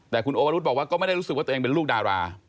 แต่คุณโอวรุธบอกว่าก็ไม่ได้รู้สึกว่าตัวเองเป็นลูกดารา